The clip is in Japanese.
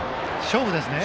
勝負ですね。